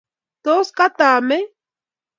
tos katameei